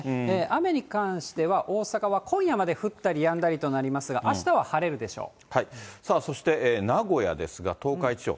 雨に関しては、大阪は今夜まで降ったりやんだりとなりますが、あしたは晴れるでさあ、そして名古屋ですが、東海地方。